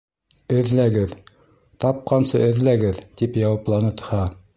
«Эҙләгеҙ, тапҡансы эҙләгеҙ», — тип яуапланы Тһа.